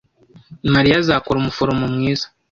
Mariya azakora umuforomo mwiza.